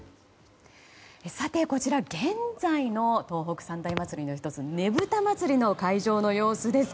さて、こちら現在の東北三大祭りの１つねぶた祭りの会場の様子です。